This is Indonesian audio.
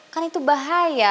kan itu bahaya